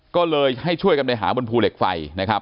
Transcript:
ก็เลยให้ช่วยกันไปหาบนภูเหล็กไฟนะครับ